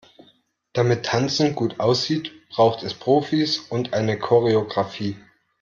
Damit Tanzen gut aussieht, braucht es Profis und eine Choreografie.